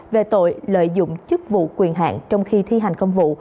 về tội lợi dụng chức vụ quyền hạn trong khi thi hành công vụ